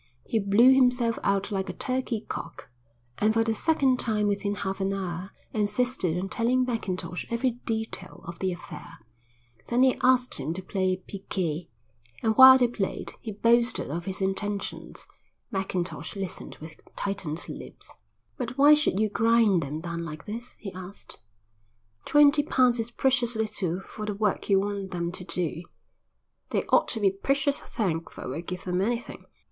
He blew himself out like a turkey cock, and for the second time within half an hour insisted on telling Mackintosh every detail of the affair. Then he asked him to play piquet, and while they played he boasted of his intentions. Mackintosh listened with tightened lips. "But why should you grind them down like this?" he asked. "Twenty pounds is precious little for the work you want them to do." "They ought to be precious thankful I give them anything."